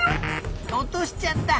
おとしちゃった。